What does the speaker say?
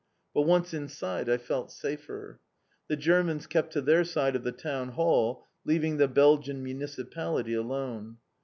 But once inside I felt safer. The Germans kept to their side of the Town Hall, leaving the Belgian Municipality alone.